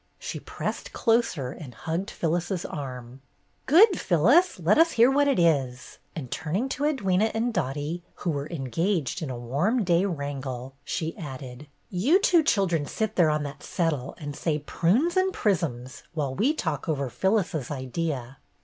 She pressed closer and hugged Phyllis's arm. "Good, Phyllis! Let us hear what it is." And turning to Edwyna and Dottie, who were engaged in a warm day wrangle, she added: "You two children sit there on that settle and say 'prunes and prisms!' while we talk over Phyllis's idea."